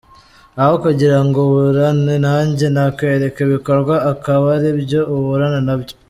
Aho kugira ngo uburane nanjye, nakwereka ibikorwa akaba ari byo uburana nabyo.